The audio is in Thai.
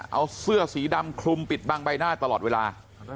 เอาเสื้อสีดำคลุมปิดบังใบหน้าตลอดเวลา